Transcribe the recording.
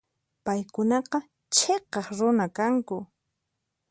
Paykunaqa chhiqaq runa kanku.